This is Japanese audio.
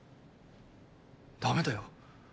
ダメだよ。